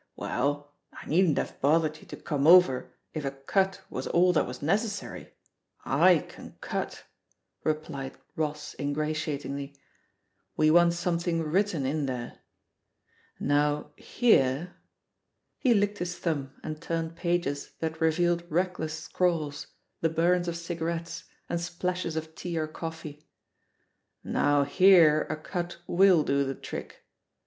"Well, I needn't have bothered you to come over if a cut was all that was necessary — I can cutr replied Ross ingratiatingly; "we want something written in there. Now here" 4ie THE POSITION OF PEGGY HARPER 181 licked his thumb and turned pages that revealed reckless scrawls, the bums of cigarettes, and splashes of tea or coflFee — "now here a cut wUl do the trick.